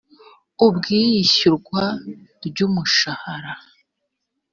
ibw iyishyurwa ry umushahara